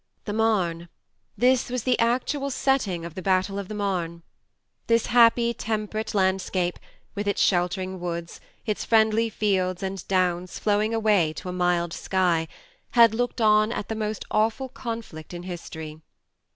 The Marne this was the actual setting of the battle of the Marne ! This happy temperate landscape, with its sheltering woods, its friendly fields and downs flowing away to a mild sky, had looked on at the most awful conflict in history.